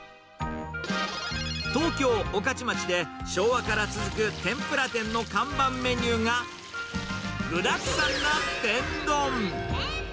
東京・御徒町で昭和から続く天ぷら店の看板メニューが、具だくさんな天丼。